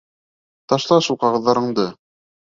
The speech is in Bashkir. Ташла шул ҡағыҙҙарыңды!